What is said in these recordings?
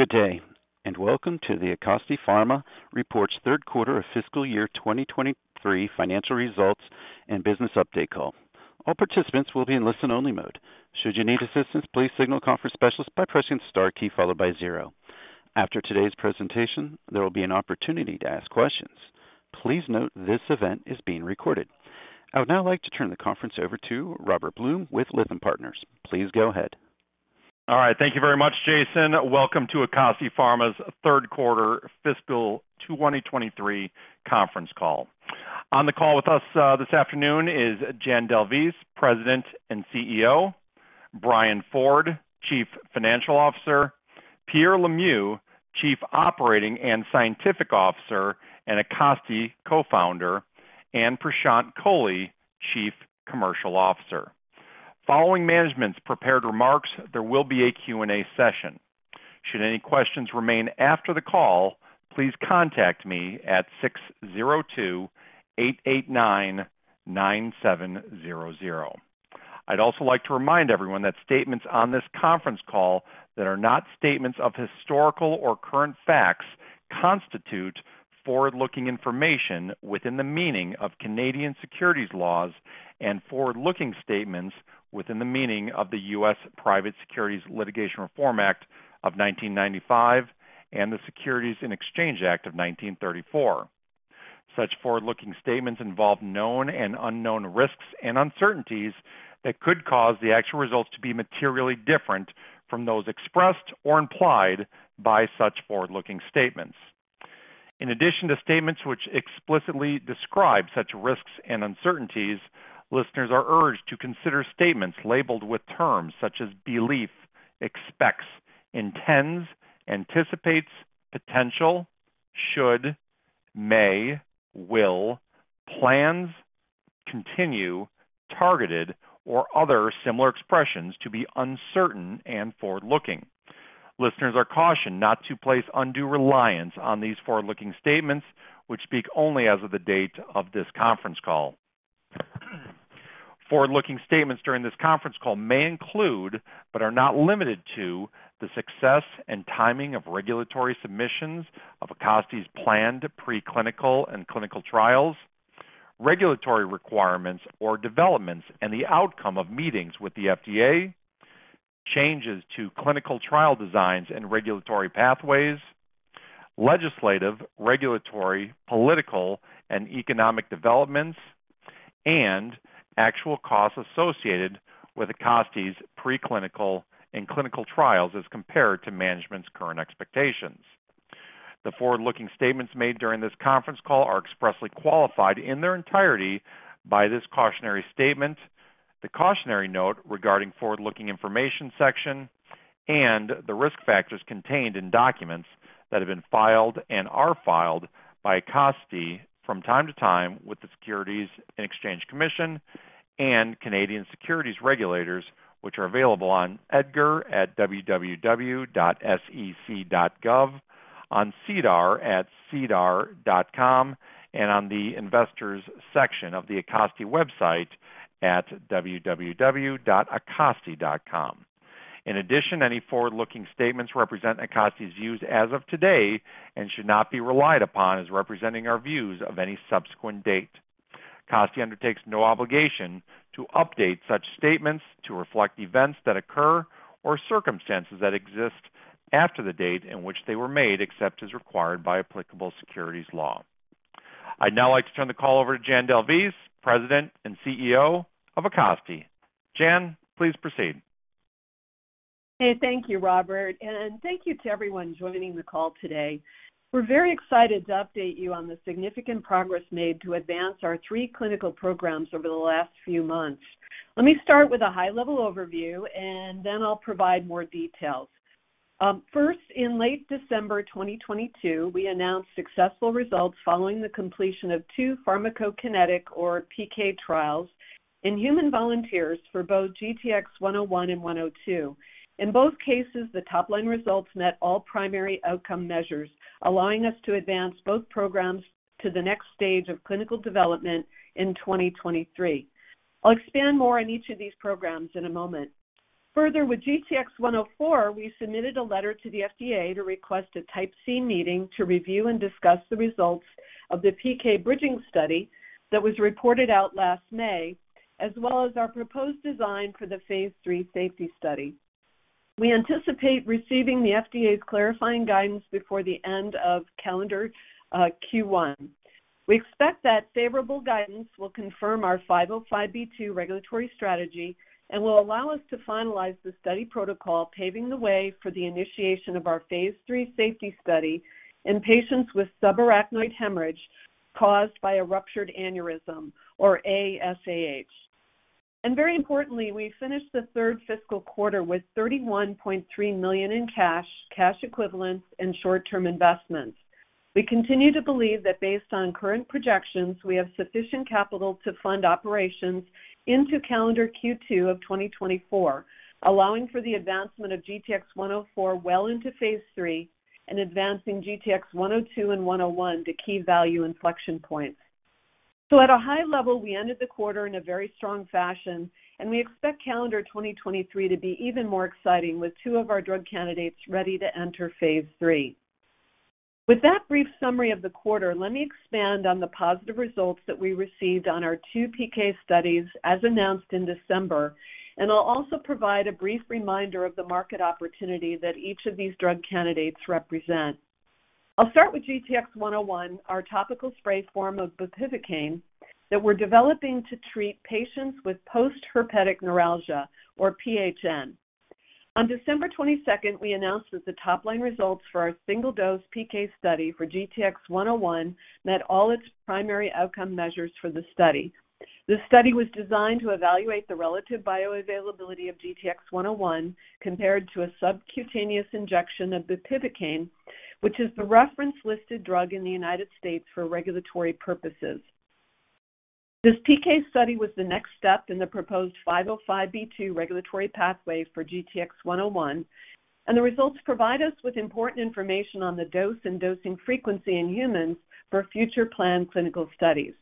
Good day. Welcome to the Acasti Pharma Reports Third Quarter of Fiscal Year 2023 Financial Results and Business Update Call. All participants will be in listen-only mode. Should you need assistance, please signal a conference specialist by pressing star key followed by zero. After today's presentation, there will be an opportunity to ask questions. Please note this event is being recorded. I would now like to turn the conference over to Robert Blum with Lytham Partners. Please go ahead. All right. Thank you very much, Jason. Welcome to Acasti Pharma's Third Quarter Fiscal 2023 Conference Call. On the call with us this afternoon is Jan D'Alvise, President and CEO; Brian Ford, Chief Financial Officer; Pierre Lemieux, Chief Operating and Scientific Officer and Acasti Co-founder; and Prashant Kohli, Chief Commercial Officer. Following management's prepared remarks, there will be a Q&A session. Should any questions remain after the call, please contact me at 602-889-9700. I'd also like to remind everyone that statements on this conference call that are not statements of historical or current facts constitute forward-looking information within the meaning of Canadian securities laws and forward-looking statements within the meaning of the U.S. Private Securities Litigation Reform Act of 1995 and the Securities Exchange Act of 1934. Such forward-looking statements involve known and unknown risks and uncertainties that could cause the actual results to be materially different from those expressed or implied by such forward-looking statements. In addition to statements which explicitly describe such risks and uncertainties, listeners are urged to consider statements labeled with terms such as belief, expects, intends, anticipates, potential, should, may, will, plans, continue, targeted, or other similar expressions to be uncertain and forward-looking. Listeners are cautioned not to place undue reliance on these forward-looking statements, which speak only as of the date of this conference call. Forward-looking statements during this conference call may include, but are not limited to, the success and timing of regulatory submissions of Acasti's planned preclinical and clinical trials, regulatory requirements or developments, and the outcome of meetings with the FDA, changes to clinical trial designs and regulatory pathways, legislative, regulatory, political, and economic developments, and actual costs associated with Acasti's preclinical and clinical trials as compared to management's current expectations. The forward-looking statements made during this conference call are expressly qualified in their entirety by this cautionary statement, the Cautionary Note Regarding Forward-Looking Information section, and the risk factors contained in documents that have been filed and are filed by Acasti from time to time with the Securities and Exchange Commission and Canadian Securities Regulators, which are available on EDGAR at www.sec.gov, on SEDAR at sedar.com, and on the investors section of the Acasti website at www.acasti.com. In addition, any forward-looking statements represent Acasti's views as of today and should not be relied upon as representing our views of any subsequent date. Acasti undertakes no obligation to update such statements to reflect events that occur or circumstances that exist after the date in which they were made, except as required by applicable securities law. I'd now like to turn the call over to Jan D'Alvise, President and CEO of Acasti. Jan, please proceed. Okay. Thank you, Robert. Thank you to everyone joining the call today. We're very excited to update you on the significant progress made to advance our three clinical programs over the last few months. Let me start with a high-level overview, and then I'll provide more details. First, in late December 2022, we announced successful results following the completion of two pharmacokinetic or PK trials in human volunteers for both GTX-101 and GTX-102. In both cases, the top-line results met all primary outcome measures, allowing us to advance both programs to the next stage of clinical development in 2023. I'll expand more on each of these programs in a moment. Further, with GTX-104, we submitted a letter to the FDA to request a Type C meeting to review and discuss the results of the PK bridging study that was reported out last May, as well as our proposed design for the phase III safety study. We anticipate receiving the FDA's clarifying guidance before the end of calendar Q1. We expect that favorable guidance will confirm our 505(b)(2) regulatory strategy and will allow us to finalize the study protocol, paving the way for the initiation of our phase III safety study in patients with subarachnoid hemorrhage caused by a ruptured aneurysm or aSAH. Very importantly, we finished the third fiscal quarter with $31.3 million in cash equivalents, and short-term investments. We continue to believe that based on current projections, we have sufficient capital to fund operations into calendar Q2 of 2024, allowing for the advancement of GTX-104 well into phase III and advancing GTX-102 and GTX-101 to key value inflection points. At a high level, we ended the quarter in a very strong fashion, and we expect calendar 2023 to be even more exciting with two of our drug candidates ready to enter phase III. With that brief summary of the quarter, let me expand on the positive results that we received on our two PK studies as announced in December. I'll also provide a brief reminder of the market opportunity that each of these drug candidates represent. I'll start with GTX-101, our topical spray form of bupivacaine that we're developing to treat patients with postherpetic neuralgia, or PHN. On 22 December, we announced that the top-line results for our single-dose PK study for GTX-101 met all its primary outcome measures for the study. This study was designed to evaluate the relative bioavailability of GTX-101 compared to a subcutaneous injection of bupivacaine, which is the reference-listed drug in the United States for regulatory purposes. This PK study was the next step in the proposed 505(b)(2) regulatory pathway for GTX-101. The results provide us with important information on the dose and dosing frequency in humans for future planned clinical studies.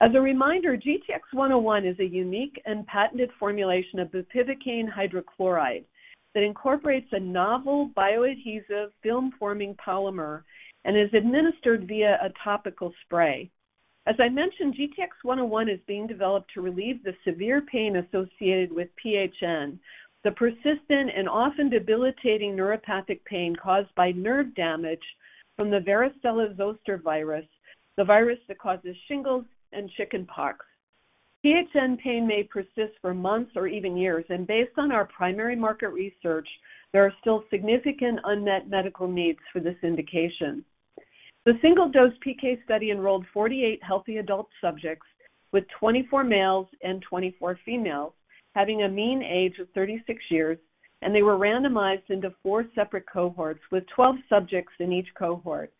As a reminder, GTX-101 is a unique and patented formulation of bupivacaine hydrochloride that incorporates a novel bioadhesive film-forming polymer and is administered via a topical spray. As I mentioned, GTX-101 is being developed to relieve the severe pain associated with PHN, the persistent and often debilitating neuropathic pain caused by nerve damage from the varicella-zoster virus, the virus that causes shingles and chickenpox. PHN pain may persist for months or even years, and based on our primary market research, there are still significant unmet medical needs for this indication. The single-dose PK study enrolled 48 healthy adult subjects, with 24 males and 24 females, having a mean age of 36 years, and they were randomized into four separate cohorts, with 12 subjects in each cohort.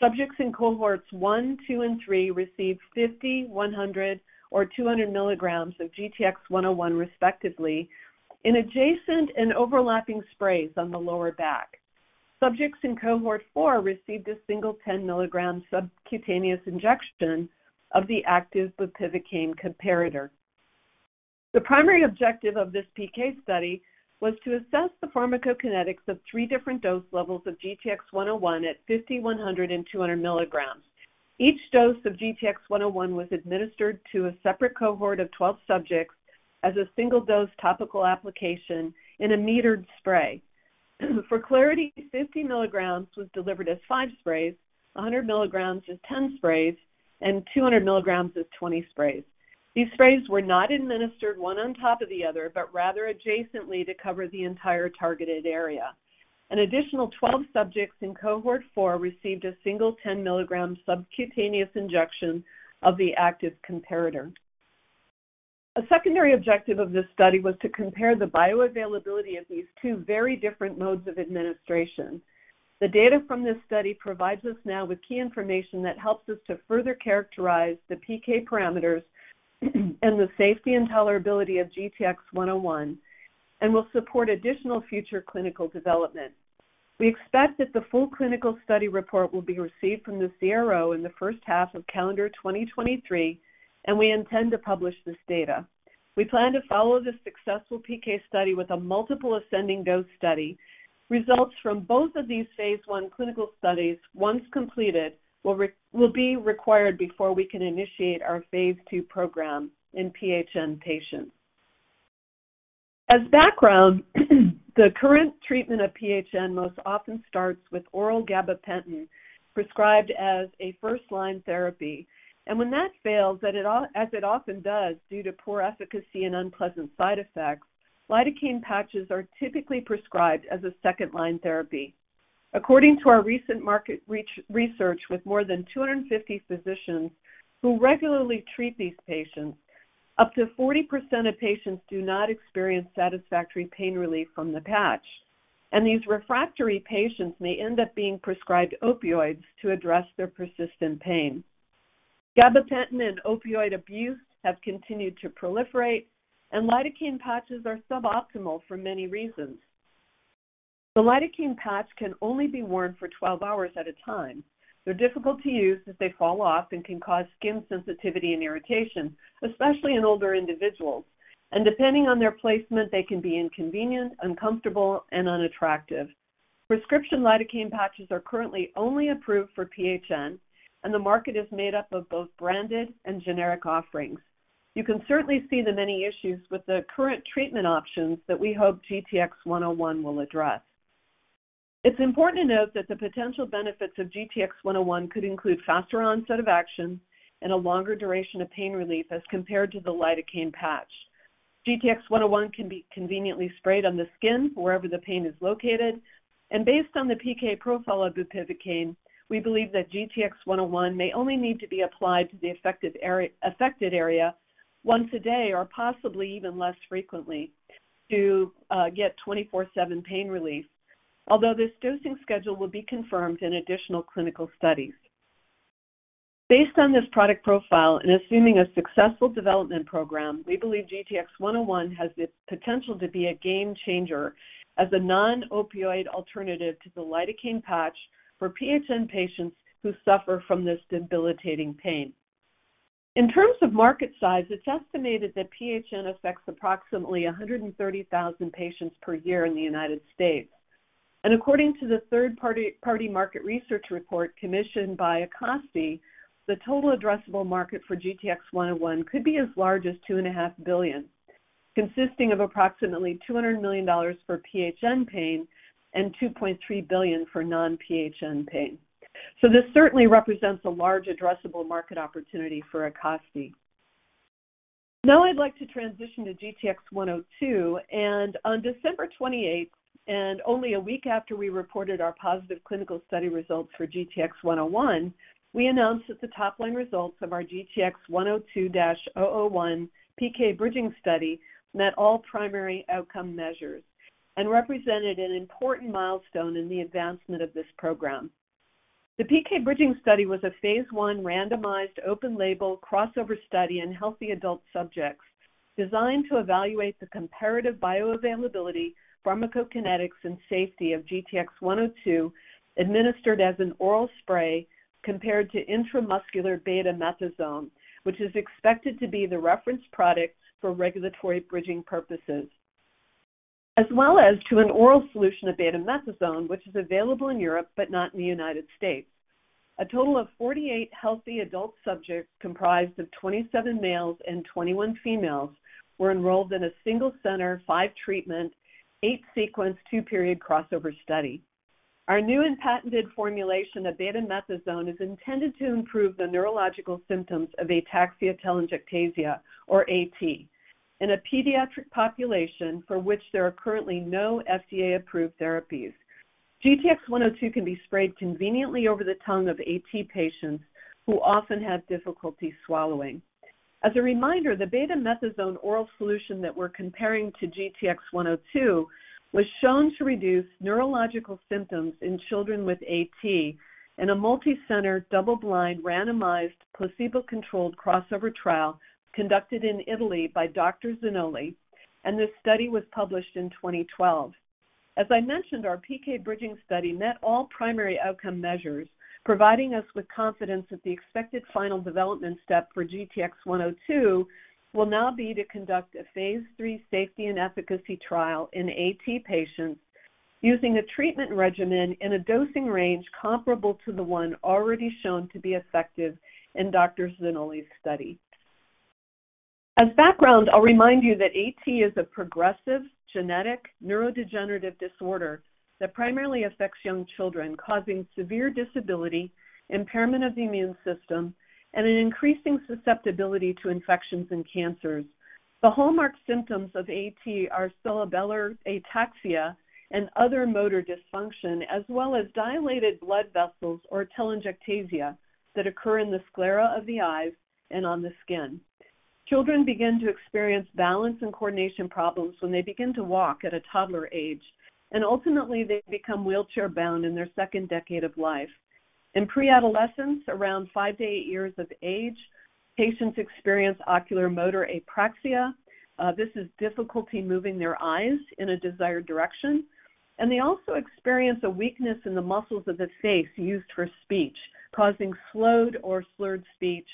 Subjects in cohorts 1, 2, and 3 received 50 mg, 100 mg, or 200 mg of GTX-101, respectively, in adjacent and overlapping sprays on the lower back. Subjects in cohort four received a single 10 mg subcutaneous injection of the active bupivacaine comparator. The primary objective of this PK study was to assess the pharmacokinetics of three different dose levels of GTX-101 at 50, 100, and 200 milligrams. Each dose of GTX-101 was administered to a separate cohort of 12 subjects as a single-dose topical application in a metered spray. For clarity, 50 milligrams was delivered as five sprays, 100 milligrams as 10 sprays, and 200 milligrams as 20 sprays. These sprays were not administered one on top of the other, but rather adjacently to cover the entire targeted area. An additional 12 subjects in cohort four received a single 10-milligram subcutaneous injection of the active comparator. A secondary objective of this study was to compare the bioavailability of these two very different modes of administration. The data from this study provides us now with key information that helps us to further characterize the PK parameters and the safety and tolerability of GTX-101 and will support additional future clinical development. We expect that the full clinical study report will be received from the CRO in the 1st half of calendar 2023. We intend to publish this data. We plan to follow the successful PK study with a multiple ascending dose study. Results from both of these phase I clinical studies, once completed, will be required before we can initiate our phase II program in PHN patients. As background, the current treatment of PHN most often starts with oral gabapentin prescribed as a first-line therapy. When that fails, as it often does due to poor efficacy and unpleasant side effects, lidocaine patches are typically prescribed as a second-line therapy. According to our recent research with more than 250 physicians who regularly treat these patients, up to 40% of patients do not experience satisfactory pain relief from the patch. These refractory patients may end up being prescribed opioids to address their persistent pain. Gabapentin and opioid abuse have continued to proliferate. Lidocaine patches are suboptimal for many reasons. The lidocaine patch can only be worn for 12 hours at a time. They're difficult to use as they fall off and can cause skin sensitivity and irritation, especially in older individuals. Depending on their placement, they can be inconvenient, uncomfortable, and unattractive. Prescription lidocaine patches are currently only approved for PHN. The market is made up of both branded and generic offerings. You can certainly see the many issues with the current treatment options that we hope GTX-101 will address. It's important to note that the potential benefits of GTX-101 could include faster onset of action and a longer duration of pain relief as compared to the lidocaine patch. GTX-101 can be conveniently sprayed on the skin wherever the pain is located. Based on the PK profile of bupivacaine, we believe that GTX-101 may only need to be applied to the affected area once a day or possibly even less frequently to get 24/7 pain relief. This dosing schedule will be confirmed in additional clinical studies. Based on this product profile and assuming a successful development program, we believe GTX-101 has the potential to be a game-changer as a non-opioid alternative to the lidocaine patch for PHN patients who suffer from this debilitating pain. In terms of market size, it's estimated that PHN affects approximately 130,000 patients per year in the United States. According to the third-party market research report commissioned by Acasti, the total addressable market for GTX-101 could be as large as $two and a half billion, consisting of approximately $200 million for PHN pain and $2.3 billion for non-PHN pain. This certainly represents a large addressable market opportunity for Acasti. Now I'd like to transition to GTX-102, and on 28 December, and only a week after we reported our positive clinical study results for GTX-101, we announced that the top-line results of our GTX-102-001 PK bridging study met all primary outcome measures and represented an important milestone in the advancement of this program. The PK bridging study was a phase I randomized, open label, crossover study in healthy adult subjects designed to evaluate the comparative bioavailability, pharmacokinetics, and safety of GTX-102 administered as an oral spray compared to intramuscular betamethasone, which is expected to be the reference product for regulatory bridging purposes, as well as to an oral solution of betamethasone, which is available in Europe but not in the United States. A total of 48 healthy adult subjects, comprised of 27 males and 21 females, were enrolled in a single center, five treatment, eight sequence, two period crossover study. Our new and patented formulation of betamethasone is intended to improve the neurological symptoms of ataxia-telangiectasia, or A-T, in a pediatric population for which there are currently no FDA-approved therapies. GTX-102 can be sprayed conveniently over the tongue of A-T patients who often have difficulty swallowing. As a reminder, the betamethasone oral solution that we're comparing to GTX-102 was shown to reduce neurological symptoms in children with A-T in a multicenter, double-blind, randomized, placebo-controlled crossover trial conducted in Italy by Dr. Zannolli, and this study was published in 2012. As I mentioned, our PK bridging study met all primary outcome measures, providing us with confidence that the expected final development step for GTX-102 will now be to conduct a phase III safety and efficacy trial in A-T patients using a treatment regimen in a dosing range comparable to the one already shown to be effective in Dr. Zannolli's study. As background, I'll remind you that A-T is a progressive, genetic, neurodegenerative disorder that primarily affects young children, causing severe disability, impairment of the immune system, and an increasing susceptibility to infections and cancers. The hallmark symptoms of A-T are cerebellar ataxia and other motor dysfunction, as well as dilated blood vessels, or telangiectasia, that occur in the sclera of the eyes and on the skin. Children begin to experience balance and coordination problems when they begin to walk at a toddler age, and ultimately they become wheelchair-bound in their second decade of life. In preadolescence, around five to eight years of age, patients experience oculomotor apraxia. This is difficulty moving their eyes in a desired direction. They also experience a weakness in the muscles of the face used for speech, causing slowed or slurred speech,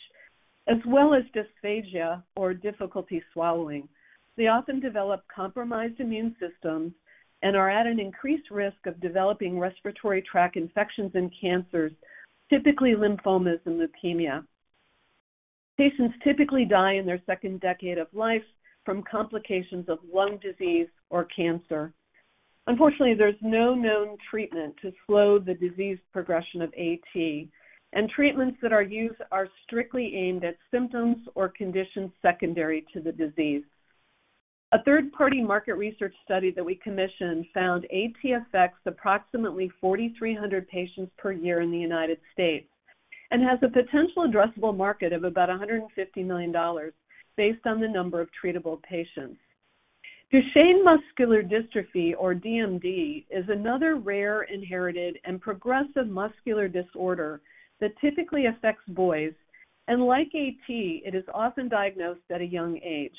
as well as dysphagia, or difficulty swallowing. They often develop compromised immune systems and are at an increased risk of developing respiratory tract infections and cancers, typically lymphomas and leukemia. Patients typically die in their second decade of life from complications of lung disease or cancer. Unfortunately, there's no known treatment to slow the disease progression of A-T, and treatments that are used are strictly aimed at symptoms or conditions secondary to the disease. A third-party market research study that we commissioned found A-T affects approximately 4,300 patients per year in the United States and has a potential addressable market of about $150 million based on the number of treatable patients. Duchenne muscular dystrophy, or DMD, is another rare inherited and progressive muscular disorder that typically affects boys, and like A-T, it is often diagnosed at a young age.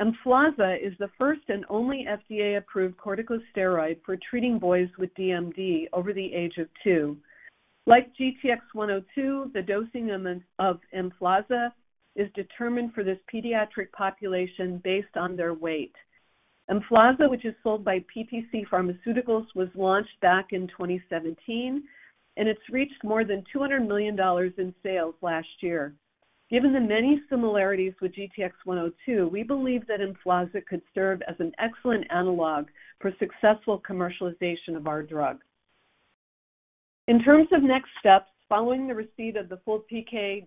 EMFLAZA is the first and only FDA-approved corticosteroid for treating boys with DMD over the age of two. Like GTX-102, the dosing of EMFLAZA is determined for this pediatric population based on their weight. EMFLAZA, which is sold by PTC Therapeutics, was launched back in 2017, and it's reached more than $200 million in sales last year. Given the many similarities with GTX-102, we believe that EMFLAZA could serve as an excellent analog for successful commercialization of our drug. In terms of next steps, following the receipt of the full PK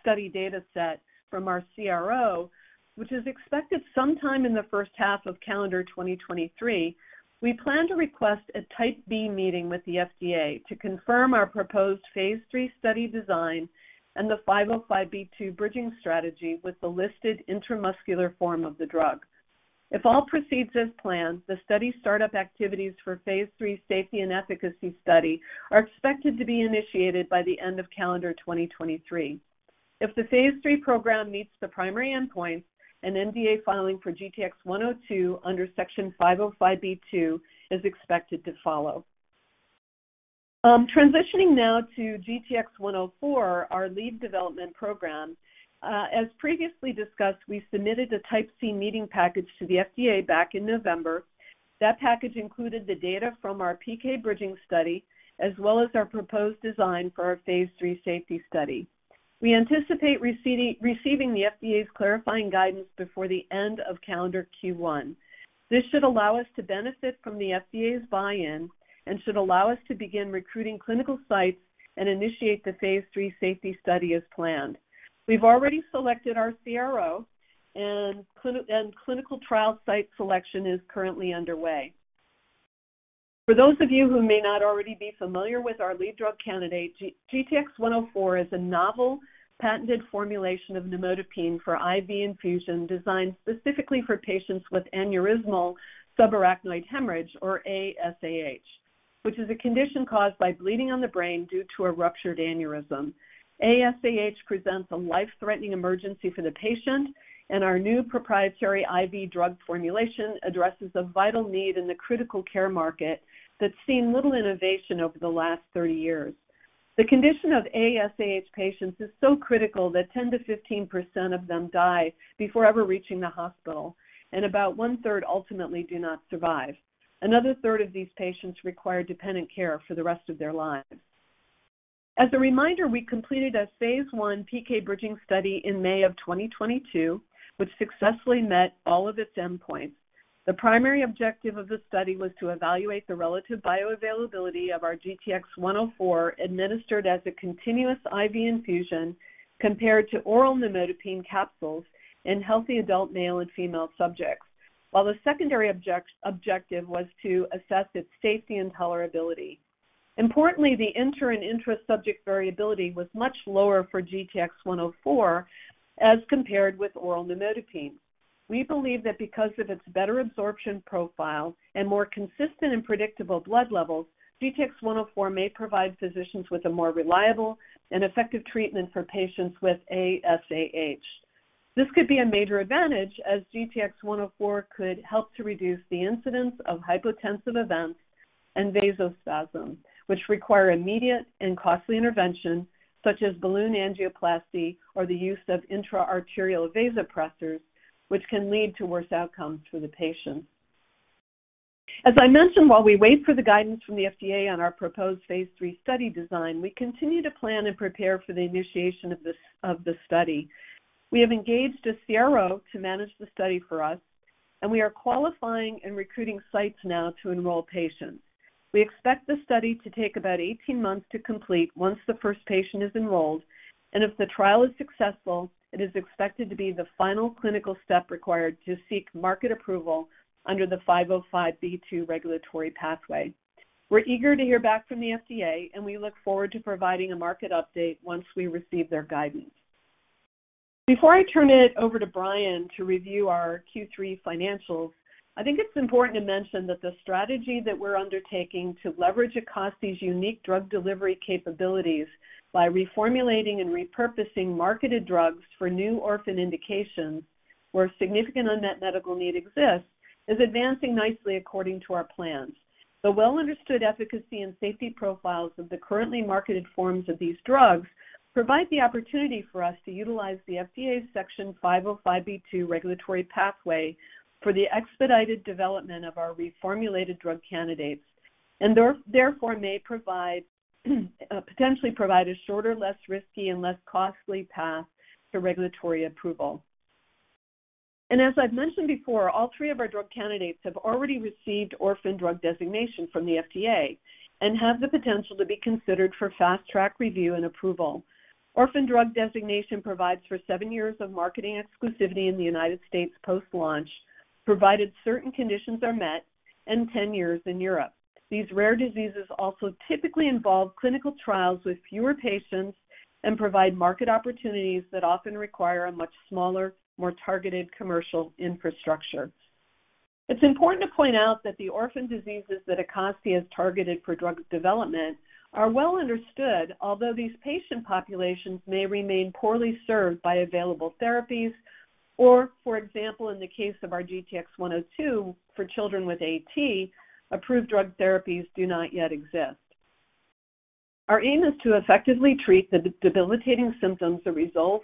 study data set from our CRO, which is expected sometime in the first half of calendar 2023, we plan to request a Type B meeting with the FDA to confirm our proposed phase III study design and the 505(b)(2) bridging strategy with the listed intramuscular form of the drug. If all proceeds as planned, the study start-up activities for phase III safety and efficacy study are expected to be initiated by the end of calendar 2023. If the phase 3 program meets the primary endpoints, an NDA filing for GTX-102 under Section 505(b)(2) is expected to follow. Transitioning now to GTX-104, our lead development program. As previously discussed, we submitted a Type C meeting package to the FDA back in November. That package included the data from our PK bridging study, as well as our proposed design for our phase III safety study. We anticipate receiving the FDA's clarifying guidance before the end of calendar Q1. This should allow us to benefit from the FDA's buy-in and should allow us to begin recruiting clinical sites and initiate the phase III safety study as planned. We've already selected our CRO and clinical trial site selection is currently underway. For those of you who may not already be familiar with our lead drug candidate, GTX-104 is a novel patented formulation of nimodipine for IV infusion, designed specifically for patients with aneurysmal subarachnoid hemorrhage or ASAH, which is a condition caused by bleeding on the brain due to a ruptured aneurysm. ASAH presents a life-threatening emergency for the patient, and our new proprietary IV drug formulation addresses a vital need in the critical care market that's seen little innovation over the last 30 years. The condition of ASAH patients is so critical that 10%-15% of them die before ever reaching the hospital, and about one-third ultimately do not survive. Another third of these patients require dependent care for the rest of their lives. As a reminder, we completed a phase I PK bridging study in May of 2022, which successfully met all of its endpoints. The primary objective of the study was to evaluate the relative bioavailability of our GTX-104, administered as a continuous IV infusion, compared to oral nimodipine capsules in healthy adult male and female subjects. While the secondary objective was to assess its safety and tolerability. Importantly, the inter and intra-subject variability was much lower for GTX-104 as compared with oral nimodipine. We believe that because of its better absorption profile and more consistent and predictable blood levels, GTX-104 may provide physicians with a more reliable and effective treatment for patients with aSAH. This could be a major advantage as GTX-104 could help to reduce the incidence of hypotensive events and vasospasm, which require immediate and costly intervention, such as balloon angioplasty or the use of intra-arterial vasopressors, which can lead to worse outcomes for the patient. As I mentioned, while we wait for the guidance from the FDA on our proposed phase III study design, we continue to plan and prepare for the initiation of the study. We have engaged a CRO to manage the study for us, and we are qualifying and recruiting sites now to enroll patients. We expect the study to take about 18 months to complete once the first patient is enrolled, and if the trial is successful, it is expected to be the final clinical step required to seek market approval under the 505(b)(2) regulatory pathway. We're eager to hear back from the FDA and we look forward to providing a market update once we receive their guidance. Before I turn it over to Brian to review our Q3 financials, I think it's important to mention that the strategy that we're undertaking to leverage Acasti's unique drug delivery capabilities by reformulating and repurposing marketed drugs for new orphan indications where significant unmet medical need exists, is advancing nicely according to our plans. The well understood efficacy and safety profiles of the currently marketed forms of these drugs provide the opportunity for us to utilize the FDA's Section 505(b)(2) regulatory pathway for the expedited development of our reformulated drug candidates, and therefore may potentially provide a shorter, less risky and less costly path to regulatory approval. As I've mentioned before, all three of our drug candidates have already received orphan drug designation from the FDA and have the potential to be considered for Fast Track review and approval. Orphan drug designation provides for seven years of marketing exclusivity in the United States post-launch, provided certain conditions are met and 10 years in Europe. These rare diseases also typically involve clinical trials with fewer patients and provide market opportunities that often require a much smaller, more targeted commercial infrastructure. It's important to point out that the orphan diseases that Acasti has targeted for drug development are well understood, although these patient populations may remain poorly served by available therapies or for example, in the case of our GTX-102 for children with A-T, approved drug therapies do not yet exist. Our aim is to effectively treat the debilitating symptoms that result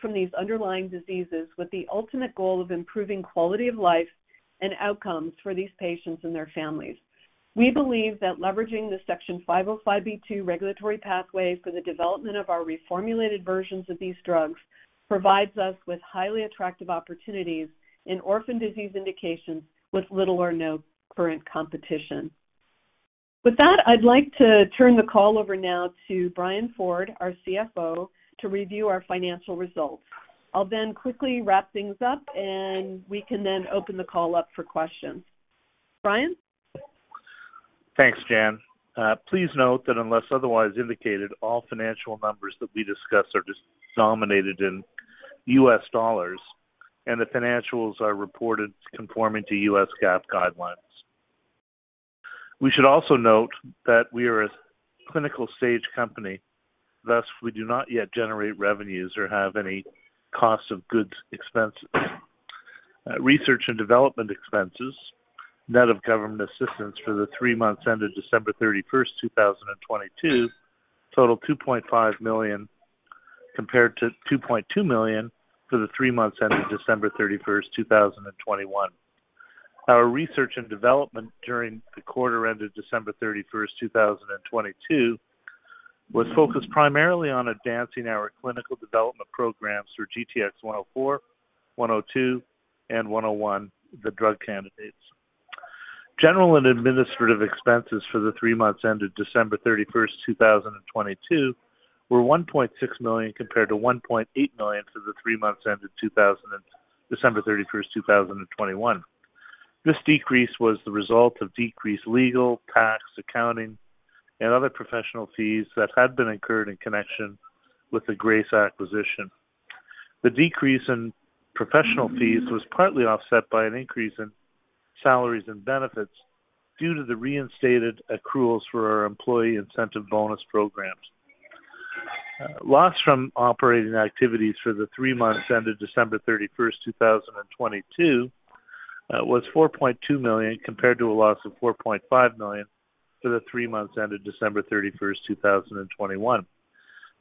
from these underlying diseases, with the ultimate goal of improving quality of life and outcomes for these patients and their families. We believe that leveraging the Section 505(b)(2) regulatory pathway for the development of our reformulated versions of these drugs provides us with highly attractive opportunities in orphan disease indications with little or no current competition. With that, I'd like to turn the call over now to Brian Ford, our CFO, to review our financial results. I'll then quickly wrap things up and we can then open the call up for questions. Brian? Thanks, Jan. Please note that unless otherwise indicated, all financial numbers that we discuss are denominated in US dollars and the financials are reported conforming to U.S. GAAP guidelines. We should also note that we are a clinical stage company. Thus, we do not yet generate revenues or have any cost of goods expense Research and development expenses, net of government assistance for the three months ended 31 December 2022 totaled $2.5 million, compared to $2.2 million for the three months ended 31 December 2021. Our research and development during the quarter ended 31 December 2022 was focused primarily on advancing our clinical development programs for GTX-104, GTX-102, and GTX-101, the drug candidates. General and administrative expenses for the three months ended 31 December 2022, were $1.6 million compared to $1.8 million for the three months ended 31 December 2021. This decrease was the result of decreased legal, tax, accounting, and other professional fees that had been incurred in connection with the Grace acquisition. The decrease in professional fees was partly offset by an increase in salaries and benefits due to the reinstated accruals for our employee incentive bonus programs. Loss from operating activities for the three months ended 31 December 2022, was $4.2 million compared to a loss of $4.5 million for the three months ended 31 December 2021.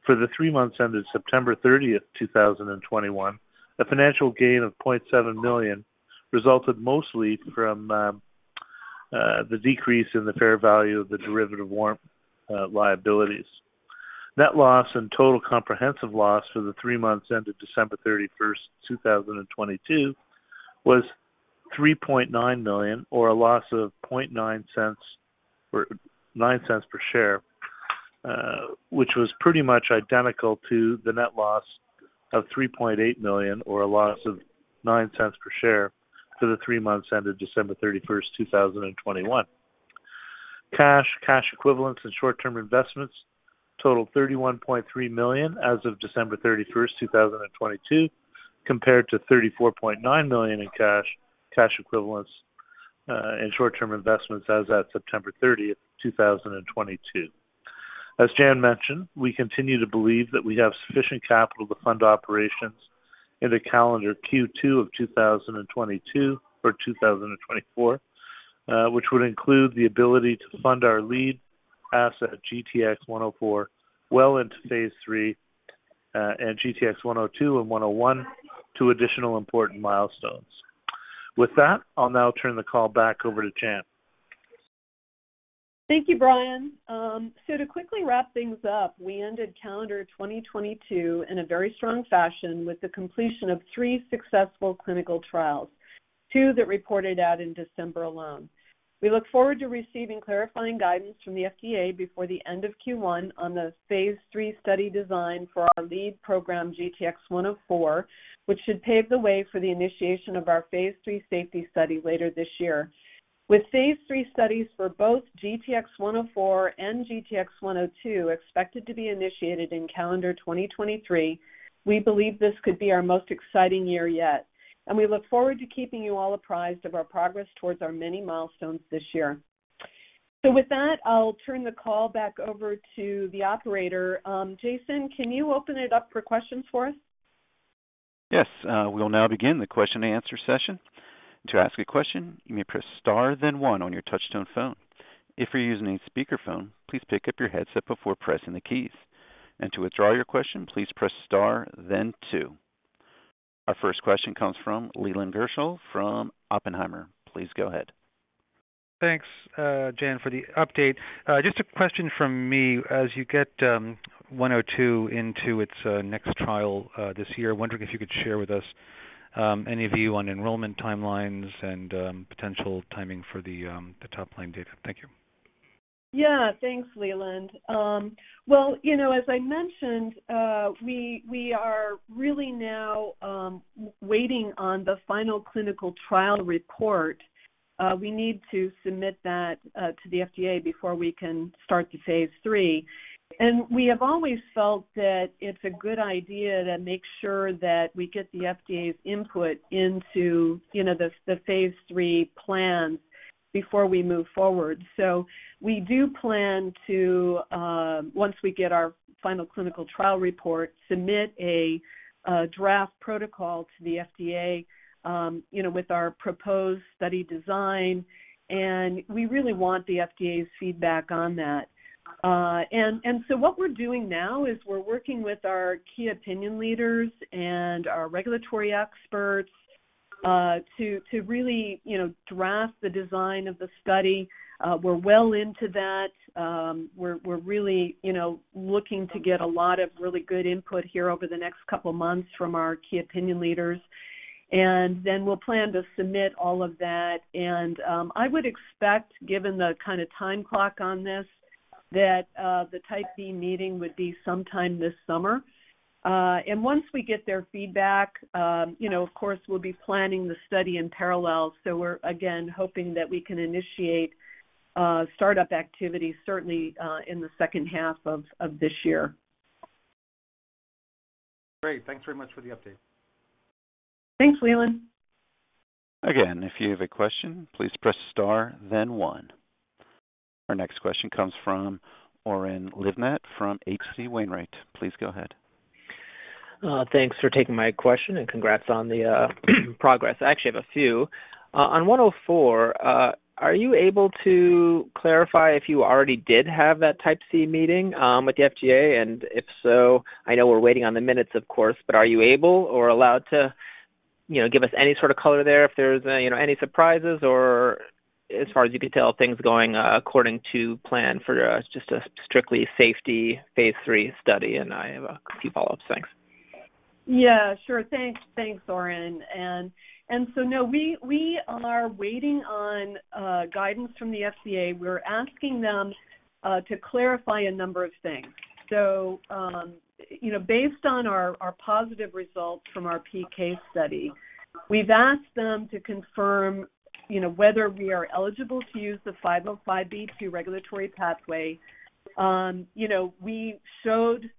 For the three months ended 30 September 2021, a financial gain of $0.7 million resulted mostly from the decrease in the fair value of the derivative warrant liabilities. Net loss and total comprehensive loss for the three months ended 31 December 2022, was $3.9 million or a loss of $0.009 or $0.09 per share, which was pretty much identical to the net loss of $3.8 million or a loss of $0.09 per share for the three months ended 31 December 2021. Cash, cash equivalents, and short-term investments totaled $31.3 million as of 31 December 2022, compared to $34.9 million in cash equivalents, and short-term investments as at 30 September 2022. As Jan mentioned, we continue to believe that we have sufficient capital to fund operations into calendar Q2 of 2022 or 2024, which would include the ability to fund our lead asset, GTX-104, well into phase III, and GTX-102 and GTX-101, two additional important milestones. With that, I'll now turn the call back over to Jan. Thank you, Brian. To quickly wrap things up, we ended calendar 2022 in a very strong fashion with the completion of three successful clinical trials, two that reported out in December alone. We look forward to receiving clarifying guidance from the FDA before the end of Q1 on the phase III study design for our lead program, GTX-104, which should pave the way for the initiation of our phase III safety study later this year. With phase III studies for both GTX-104 and GTX-102 expected to be initiated in calendar 2023, we believe this could be our most exciting year yet, and we look forward to keeping you all apprised of our progress towards our many milestones this year. With that, I'll turn the call back over to the operator. Jason, can you open it up for questions for us? Yes. We will now begin the question and answer session. To ask a question, you may press star then one on your touchtone phone. If you're using a speakerphone, please pick up your headset before pressing the keys. To withdraw your question, please press star then two. Our first question comes from Leland Gershell from Oppenheimer. Please go ahead. Thanks, Jan, for the update. Just a question from me. As you get 102 into its next trial this year, wondering if you could share with us any view on enrollment timelines and potential timing for the top-line data. Thank you. Yeah. Thanks, Leland. Well, you know, as I mentioned, we are really now waiting on the final clinical trial report. We need to submit that to the FDA before we can start the phase III. We have always felt that it's a good idea to make sure that we get the FDA's input into, you know, the phase III plans before we move forward. We do plan to, once we get our final clinical trial report, submit a draft protocol to the FDA, you know, with our proposed study design, and we really want the FDA's feedback on that. What we're doing now is we're working with our key opinion leaders and our regulatory experts to really, you know, draft the design of the study. We're well into that. We're really, you know, looking to get a lot of really good input here over the next couple of months from our key opinion leaders. Then we'll plan to submit all of that. I would expect, given the kinda time clock on this, that the Type B meeting would be sometime this summer. Once we get their feedback, you know, of course, we'll be planning the study in parallel. We're again hoping that we can initiate start-up activities certainly in the second half of this year. Great. Thanks very much for the update. Thanks, Leland. If you have a question, please press star then one. Our next question comes from Oren Livnat from H.C. Wainwright. Please go ahead. Thanks for taking my question and congrats on the progress. I actually have a few. On GTX-104, are you able to clarify if you already did have that Type C meeting with the FDA? If so, I know we're waiting on the minutes, of course, but are you able or allowed to, you know, give us any sort of color there if there's, you know, any surprises or as far as you can tell, are things going according to plan for just a strictly safety phase III study? I have a few follow-ups. Thanks. Yeah, sure. Thanks. Thanks, Oren. No, we are waiting on guidance from the FDA. We're asking them to clarify a number of things. You know, based on our positive results from our PK study, we've asked them to confirm, you know, whether we are eligible to use the 505(b)(2) regulatory pathway. You know, we showed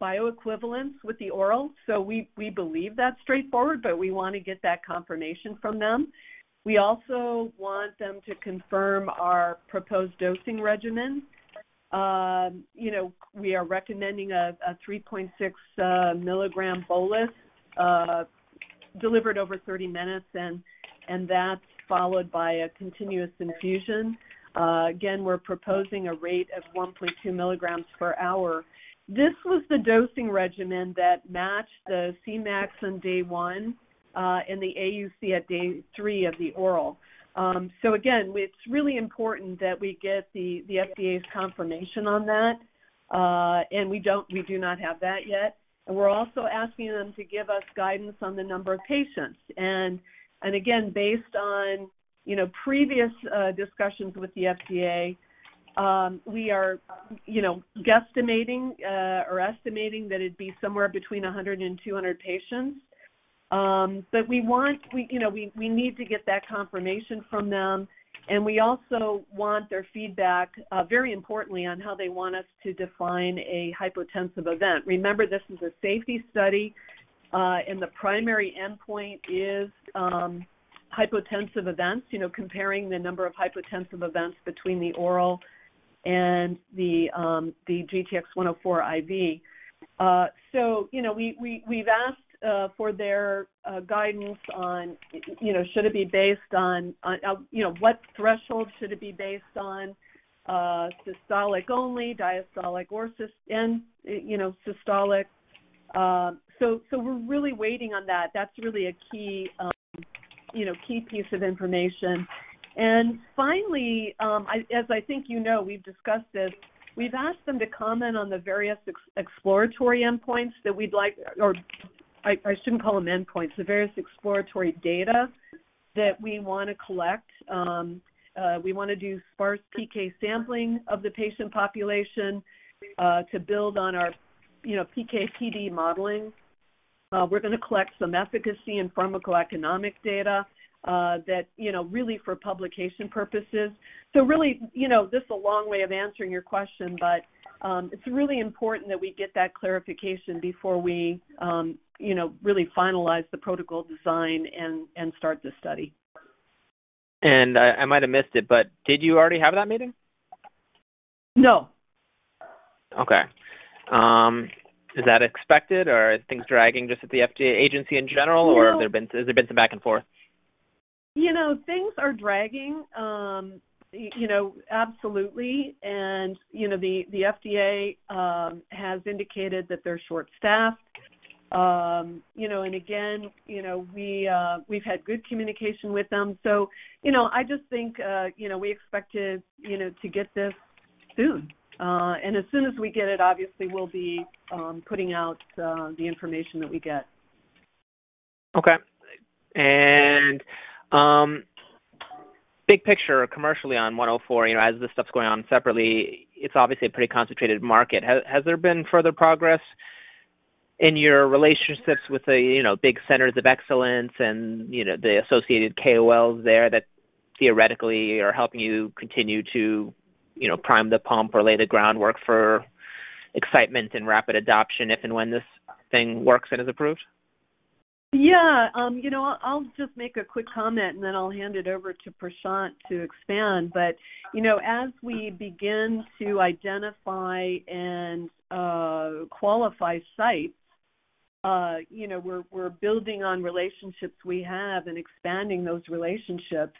bioequivalence with the oral, so we believe that's straightforward, but we wanna get that confirmation from them. We also want them to confirm our proposed dosing regimen. You know, we are recommending a 3.6 milligram bolus delivered over 30 minutes, and that's followed by a continuous infusion. Again, we're proposing a rate of 1.2 milligrams per hour. This was the dosing regimen that matched the Cmax on day one, and the AUC at day three of the oral. Again, it's really important that we get the FDA's confirmation on that, and we do not have that yet. We're also asking them to give us guidance on the number of patients. Again, based on, you know, previous discussions with the FDA, we are, you know, guesstimating or estimating that it'd be somewhere between 100 and 200 patients. We want, we, you know, we need to get that confirmation from them, and we also want their feedback, very importantly on how they want us to define a hypotensive event. Remember, this is a safety study, and the primary endpoint is hypotensive events, you know, comparing the number of hypotensive events between the oral and the GTX-104-IV. You know, we've asked for their guidance on, you know, should it be based on, you know, what threshold should it be based on, systolic only, diastolic or systolic. We're really waiting on that. That's really a key, you know, key piece of information. Finally, as I think you know, we've discussed this. We've asked them to comment on the various exploratory endpoints that we'd like or, I shouldn't call them endpoints, the various exploratory data that we wanna collect. We wanna do sparse PK sampling of the patient population, to build on our, you know, PK/PD modeling. We're gonna collect some efficacy and pharmacoeconomic data, that, you know, really for publication purposes. Really, you know, this is a long way of answering your question, but it's really important that we get that clarification before we, you know, really finalize the protocol design and start the study. I might have missed it, but did you already have that meeting? No. Okay. Is that expected, or are things dragging just at the FDA agency in general? You know. Has there been some back and forth? You know, things are dragging, you know, absolutely. You know, the FDA has indicated that they're short-staffed. You know, and again, you know, we've had good communication with them. You know, I just think, you know, we expected, you know, to get this soon. As soon as we get it, obviously, we'll be putting out the information that we get. Okay. Big picture commercially on 104, you know, as this stuff's going on separately, it's obviously a pretty concentrated market. Has there been further progress in your relationships with the, you know, big centers of excellence and, you know, the associated KOLs there that theoretically are helping you continue to, you know, prime the pump or lay the groundwork for excitement and rapid adoption if and when this thing works and is approved? Yeah. you know, I'll just make a quick comment, and then I'll hand it over to Prashant to expand. You know, as we begin to identify and, qualify sites, you know, we're building on relationships we have and expanding those relationships.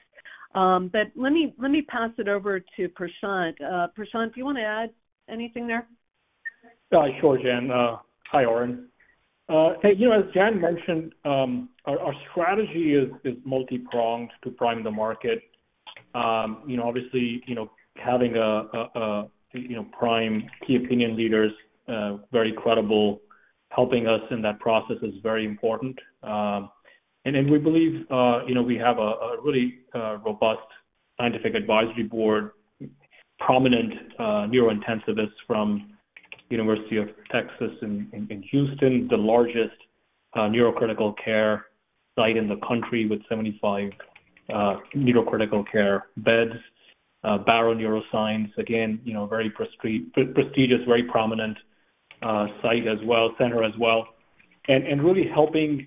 Let me, let me pass it over to Prashant. Prashant, do you wanna add anything there? Sure, Jan. Hi, Oren. You know, as Jan mentioned, our strategy is multi-pronged to prime the market. You know, obviously, you know, having a, you know, prime key opinion leaders, very credible, helping us in that process is very important. We believe, you know, we have a really robust scientific advisory board, prominent neurointensivist from University of Texas in Houston, the largest neurocritical care site in the country with 75 neurocritical care beds. Barrow Neuroscience, again, you know, very prestigious, very prominent site as well, center as well. Really helping,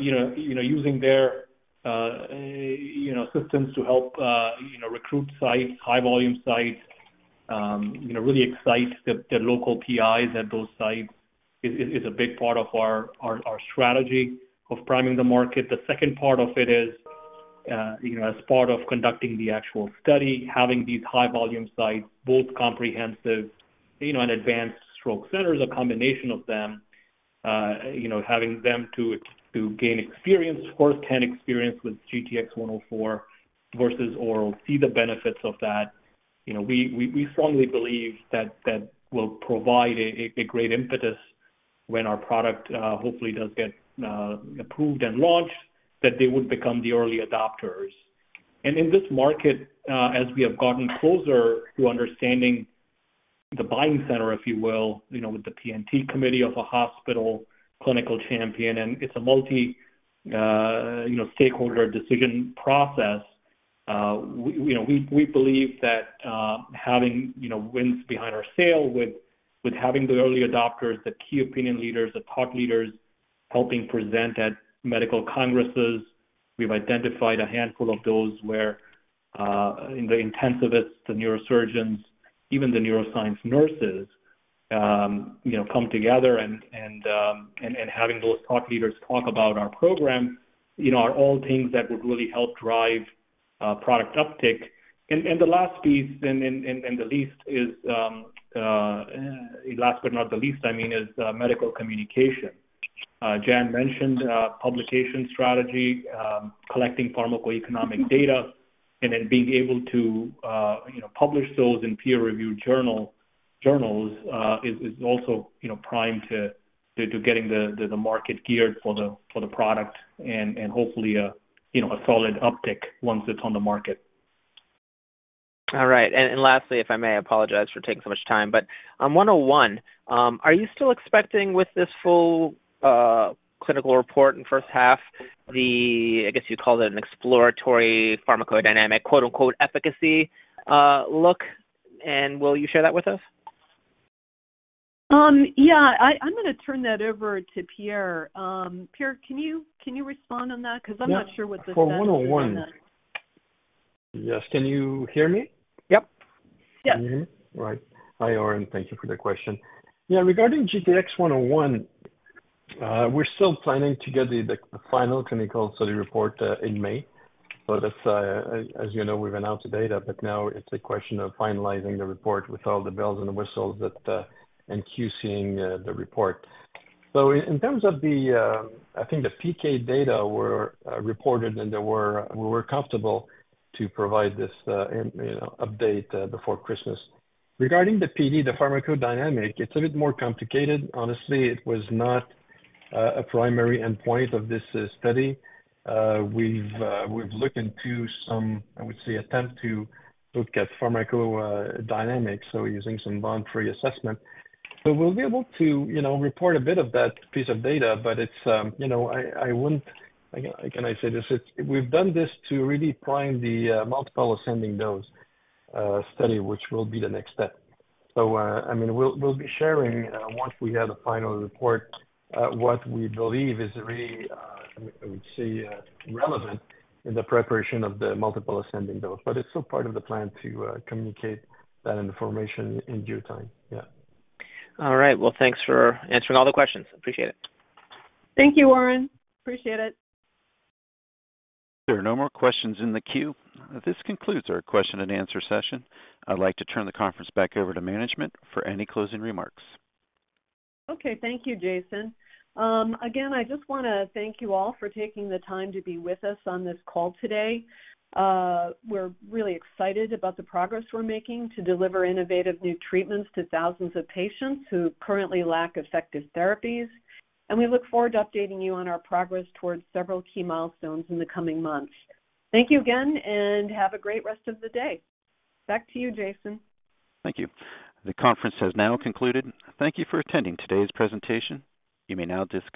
you know, you know, using their, you know, systems to help, you know, recruit sites, high volume sites, you know, really excite the local PIs at those sites is a big part of our strategy of priming the market. The second part of it is, you know, as part of conducting the actual study, having these high volume sites, both comprehensive, you know, and advanced stroke centers, a combination of them, you know, having them to gain experience, first hand experience with GTX-104 versus oral, see the benefits of that. You know, we strongly believe that that will provide a great impetus when our product, hopefully does get approved and launched, that they would become the early adopters. In this market, as we have gotten closer to understanding the buying center, if you will, you know, with the P&T committee of a hospital clinical champion, and it's a multi, you know, stakeholder decision process, we, you know, we believe that, having, you know, wins behind our sale with having the early adopters, the key opinion leaders, the thought leaders helping present at medical congresses. We've identified a handful of those where the intensivists, the neurosurgeons, even the neuroscience nurses, you know, come together and having those thought leaders talk about our program, you know, are all things that would really help drive product uptick. The last piece and the least is, last but not the least, I mean, is medical communication. Jan mentioned publication strategy, collecting pharmacoeconomic data and then being able to, you know, publish those in peer-reviewed journals, is also, you know, prime to getting the market geared for the product and hopefully a, you know, a solid uptick once it's on the market. All right. Lastly, if I may, I apologize for taking so much time, but on 101, are you still expecting with this full clinical report in first half the, I guess you called it an exploratory pharmacodynamic quote-unquote efficacy look? Will you share that with us? Yeah, I'm gonna turn that over to Pierre. Pierre, can you respond on that? I'm not sure what the statute is on that. Yeah. For GTX-101. Yes. Can you hear me? Yep. Yes. Right. Hi, Oren. Thank you for the question. Regarding GTX-101, we're still planning to get the final clinical study report in May. As you know, we've announced the data, but now it's a question of finalizing the report with all the bells and whistles that and QC-ing the report. In terms of the, I think the PK data were reported and we were comfortable to provide this, you know, update before Christmas. Regarding the PD, the pharmacodynamic, it's a bit more complicated. Honestly, it was not a primary endpoint of this study. We've looked into some, I would say, attempt to look at pharmacodynamics, so using some bound/free assessment. We'll be able to, you know, report a bit of that piece of data, but it's, you know, I wouldn't... Can I say this? We've done this to really prime the multiple ascending dose study, which will be the next step. I mean, we'll be sharing, once we have the final report, what we believe is really, I would say, relevant in the preparation of the multiple ascending dose. It's still part of the plan to communicate that information in due time. Yeah. All right. Well, thanks for answering all the questions. Appreciate it. Thank you, Oren. Appreciate it. There are no more questions in the queue. This concludes our question and answer session. I'd like to turn the conference back over to management for any closing remarks. Okay. Thank you, Jason. Again, I just wanna thank you all for taking the time to be with us on this call today. We're really excited about the progress we're making to deliver innovative new treatments to thousands of patients who currently lack effective therapies, and we look forward to updating you on our progress towards several key milestones in the coming months. Thank you again, and have a great rest of the day. Back to you, Jason. Thank you. The conference has now concluded. Thank you for attending today's presentation. You may now disconnect.